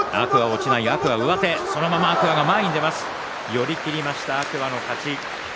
寄り切りました天空海の勝ち。